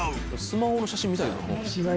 スマホの写真見たいけどな。